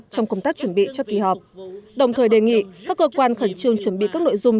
trong công tác chuẩn bị cho kỳ họp đồng thời đề nghị các cơ quan khẩn trương chuẩn bị các nội dung